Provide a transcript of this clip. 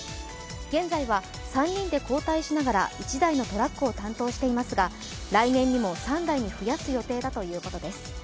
現在は３人で交代しながら１台のトラックを担当していますが来年にも３台に増やす予定だということです。